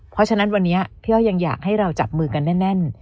เพราะฉะนั้นวันนี้พี่อ้อยยังอยากให้เราจับมือกันแน่น